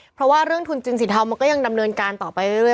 เพราะว่าเรื่องทุนจีนสีเทามันก็ยังดำเนินการต่อไปเรื่อย